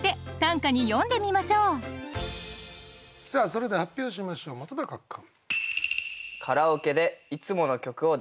それでは発表しましょう本君。